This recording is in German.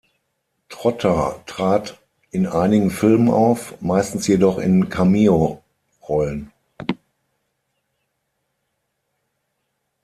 Trotter trat in einigen Filmen auf, meistens jedoch in Cameo-Rollen.